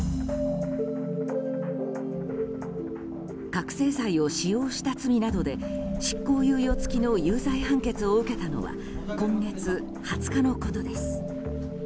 覚醒剤を使用した罪などで執行猶予付きの有罪判決を受けたのは今月２０日のことです。